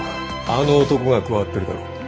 あの男が加わってるだろ。